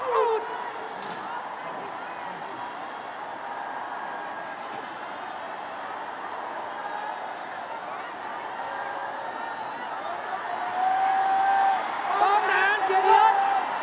วันนี้วันนี้อย่างเย็น